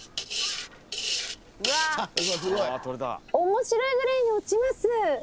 面白いぐらいに落ちます！